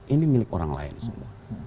ini milik orang lain semua